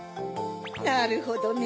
なるほどね。